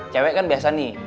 cewek kan biasa nih